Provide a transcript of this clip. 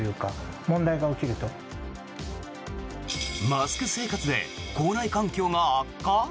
マスク生活で口内環境が悪化？